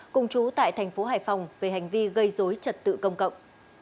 cùng chú tại tp hải phòng về hành vi gây dối trật tự công cộng